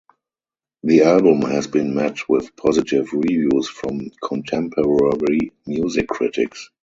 The album has been met with positive reviews from contemporary music critics.